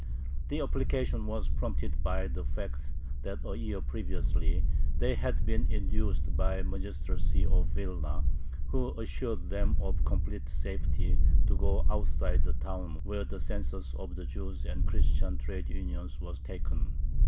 The application was prompted by the fact that a year previously they had been induced by the magistracy of Vilna, which assured them of complete safety, to go outside the town where the census of the Jews and the Christian trade unions was taken.